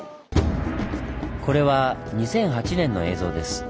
これは２００８年の映像です。